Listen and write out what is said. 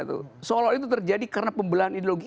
seolah olah itu terjadi karena pembelahan ideologi